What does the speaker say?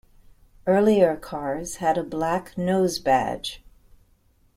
Earlier cars had a black nose badge.